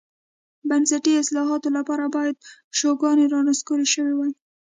بنسټي اصلاحاتو لپاره باید شوګان رانسکور شوی وای.